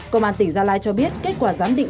công an tỉnh gia lai cho biết kết quả giám định